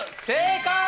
正解。